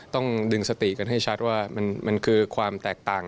ต้องดึงสติกันให้ชัดว่ามันคือความแตกต่าง